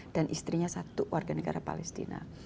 dan istrinya satu warga negara palestina